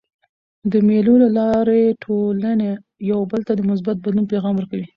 د مېلو له لاري ټولنه یو بل ته د مثبت بدلون پیغام ورکوي.